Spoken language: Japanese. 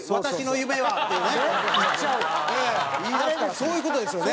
そういう事ですよね。